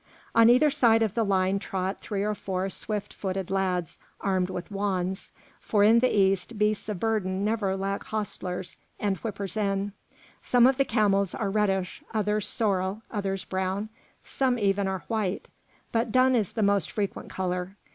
On either side of the line trot three or four swift footed lads, armed with wands; for in the East beasts of burden never lack hostlers and whippers in. Some of the camels are reddish, others sorrel, others brown, some even are white, but dun is the most frequent colour.